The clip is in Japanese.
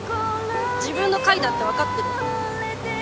自分の回だって分かってる？